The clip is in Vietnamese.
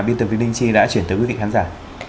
biên tập viên linh chi đã chuyển tới quý vị khán giả